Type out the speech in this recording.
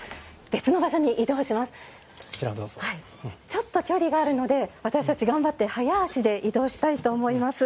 ちょっと距離があるので私たち頑張って早足で移動したいと思います。